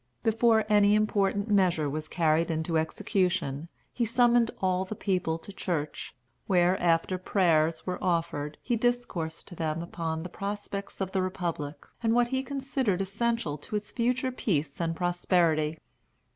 Before any important measure was carried into execution, he summoned all the people to church, where, after prayers were offered, he discoursed to them upon the prospects of the republic, and what he considered essential to its future peace and prosperity.